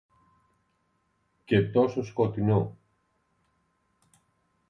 και τόσο σκονισμένο